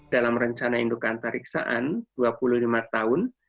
dalam rencana induk antariksaan dua puluh lima tahun